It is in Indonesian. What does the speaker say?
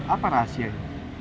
apa rahasia itu